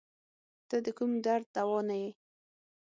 ته د کوم درد دوا نه یی